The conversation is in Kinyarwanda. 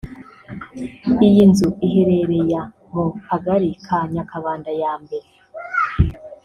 Iyi nzu iherereya mu Kagari ka Nyakabanda ya I